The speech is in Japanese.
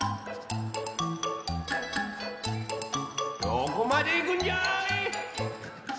どこまでいくんじゃい！